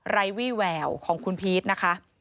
ไร้วี่แววของคุณพีชนะคะ